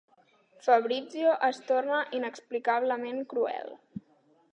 Fabrizio es torna inexplicablement cruel.